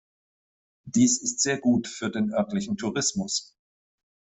Dies ist sehr gut für den örtlichen Tourismus.